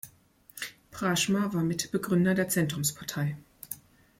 Praschma war Mitbegründer der Zentrumspartei.